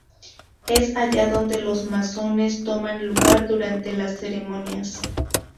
Es allá donde los masones toman lugar durante las ceremonias.